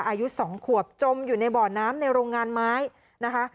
อายุ๒ขวบจมอยู่ในบ่อน้ำในโรงงานไม้นะคะ